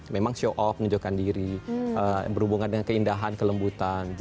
memang show off menunjukkan diri berhubungan dengan keindahan kelembutan